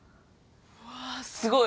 うわぁすごい！